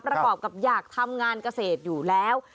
ประกอบกับอยากทำงานเกษตรอยู่แล้ว